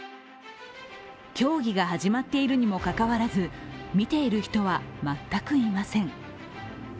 競技が始まっているにもかかわらず、見ている人は全くいません。